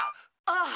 「ああ。